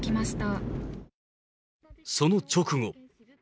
その直後。